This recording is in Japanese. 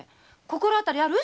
心当たりある？